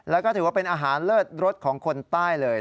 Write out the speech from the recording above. แล้วก็ถือว่าเป็นอาหารเลิศรสของคนใต้เลย